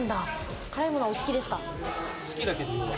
辛いものはお好きですか？